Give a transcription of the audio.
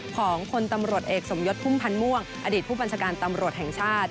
ของคนตำรวจเอกสมยศพุ่มพันธ์ม่วงอดีตผู้บัญชาการตำรวจแห่งชาติ